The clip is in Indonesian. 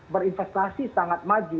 berinvestasi sangat maju